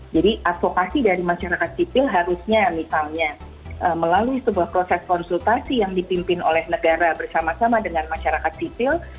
jadi advokasi dari masyarakat sipil harusnya misalnya melalui sebuah proses konsultasi yang dipimpin oleh negara bersama sama dengan masyarakat sipil